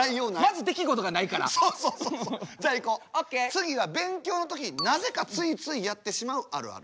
次は勉強の時なぜかついついやってしまうあるある。